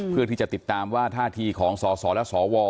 เพื่อที่จะติดตามว่าท่าทีของสสและสว